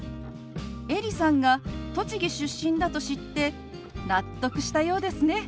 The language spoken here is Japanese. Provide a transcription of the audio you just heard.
エリさんが栃木出身だと知って納得したようですね。